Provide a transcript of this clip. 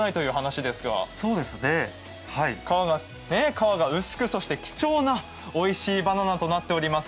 皮が薄く、そして貴重なおいしいバナナとなっております。